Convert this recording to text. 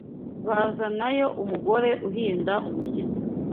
Bazanayo umugore uhinda umushyitsi